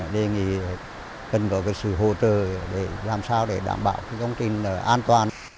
đề nghị cần có sự hỗ trợ để làm sao để đảm bảo công trình an toàn